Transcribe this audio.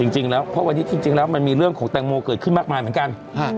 จริงแล้วเพราะวันนี้จริงแล้วมันมีเรื่องของแตงโมเกิดขึ้นมากมายเหมือนกัน